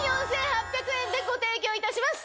でご提供いたします。